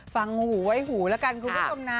ฟังหูไว้หูแล้วกันคุณผู้ชมนะ